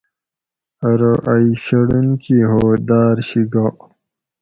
ارو ائ شڑونکی ھو داۤر شی گا